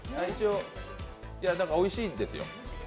いや、おいしいですよ。